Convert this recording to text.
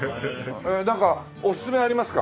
えなんかおすすめありますか？